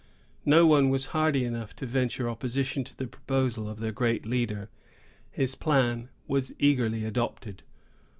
No one was hardy enough to venture opposition to the proposal of their great leader. His plan was eagerly adopted.